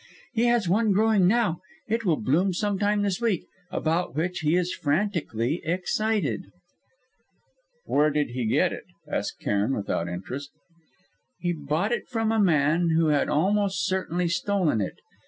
He has one growing now it will bloom some time this week about which he is frantically excited." "Where did he get it?" asked Cairn without interest. "He bought it from a man who had almost certainly stolen it!